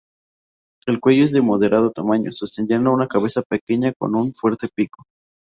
El cuello es de moderado tamaño, sosteniendo una cabeza pequeña con un fuerte pico.